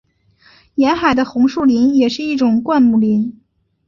沿海的红树林也是一种灌木林。